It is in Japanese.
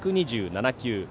１２７球。